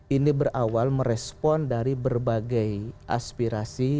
ini berawal merespon dari berbagai aspirasi